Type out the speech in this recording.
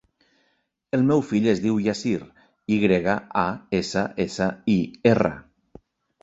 El meu fill es diu Yassir: i grega, a, essa, essa, i, erra.